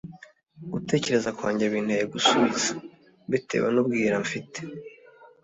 “gutekereza kwanjye binteye gusubiza, mbitewe n’ubwira mfite